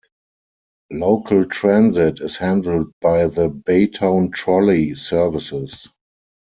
Local transit is handled by the Baytown Trolley services.